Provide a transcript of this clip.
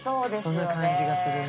そんな感じがするね。